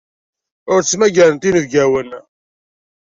Ur ttmagarent inebgawen.